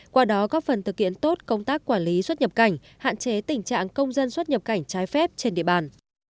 qua đó góp phần thực hiện tốt công tác quản lý xuất nhập cảnh hạn chế tình trạng công dân xuất nhập cảnh trái phép trên địa bàn